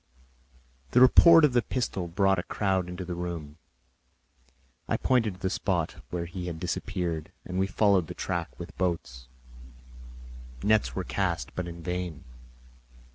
The report of the pistol brought a crowd into the room. I pointed to the spot where he had disappeared, and we followed the track with boats; nets were cast, but in vain.